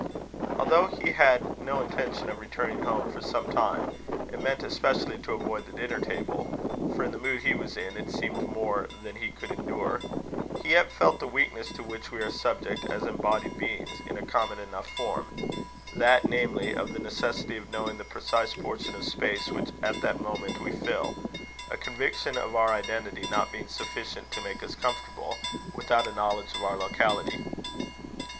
Although he had no intention of returning home for some time, and meant especially to avoid the dinner table for, in the mood he was in, it seemed more than he could endure he yet felt the weakness to which we are subject as embodied beings, in a common enough form; that, namely, of the necessity of knowing the precise portion of space which at the moment we fill; a conviction of our identity not being sufficient to make us comfortable, without a knowledge of our locality.